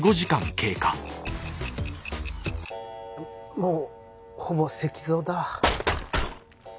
もうほぼ石像だ。